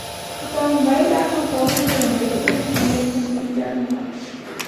Dat zou een bijdrage vormen voor een beter functioneren van de interne markt.